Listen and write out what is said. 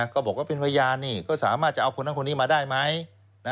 ก็บอกว่าเป็นพยานนี่ก็สามารถจะเอาคนนั้นคนนี้มาได้ไหม